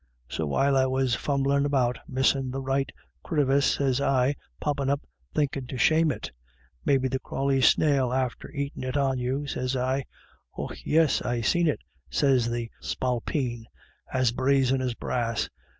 So while it was fumblin' about, missin' the right crevice, sez I, poppin' up, thinkin' to shame it :' Maybe the crawly snail's after aitin' it on you,' sez I. ' Och yis, I seen it,' sez the spalpeen, as brazen as brass.